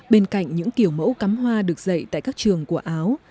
bên cạnh những kiểu mẫu cắm hoa được dạy tại các trường của áo